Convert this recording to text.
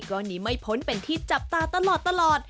ก็หนีไม่พ้นเป็นที่จับตาตลอด